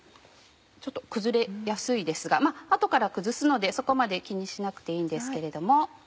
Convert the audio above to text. ちょっと崩れやすいですが後から崩すのでそこまで気にしなくていいんですけれども。